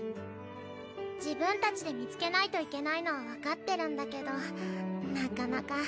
自分たちで見つけないといけないのは分かってるんだけどなかなか。